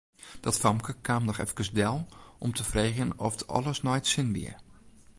Dat famke kaam noch efkes del om te freegjen oft alles nei't sin wie.